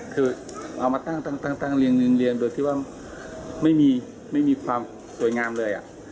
คือเอามาตั้งเรียงโดยที่ว่าไม่มีความสวยงามเลย